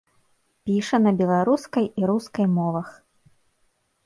Піша на беларускай і рускай мовах.